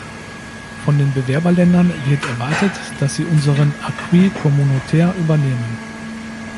Von den Bewerberländern wird erwartet, dass sie unseren acquis communautaire übernehmen.